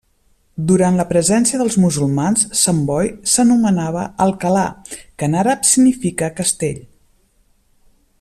Durant la presència dels musulmans Sant Boi s'anomenava Alcalà que en àrab significa castell.